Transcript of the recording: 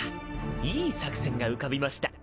いい作戦が浮かびました！